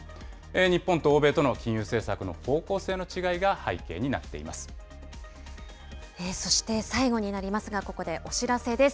日本と欧米との金融政策の方そして最後になりますが、ここでお知らせです。